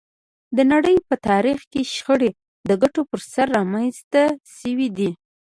د نړۍ په تاریخ کې شخړې د ګټو پر سر رامنځته شوې دي